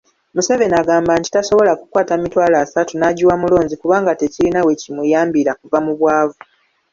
Museveni agamba nti tasobola kukwata mitwalo asatu n'agiwa mulonzi kubanga tekirina we kimuyambira kuva mu bwavu.